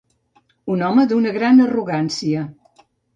Un home d'una gran arrogància.